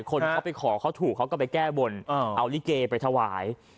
คนเขาไปขอเขาถูกเขาก็ไปแก้บนเอาลิเกไปถวาย